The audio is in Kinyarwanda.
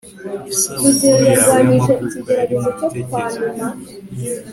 isabukuru yawe yamavuko yari mubitekerezo byanjye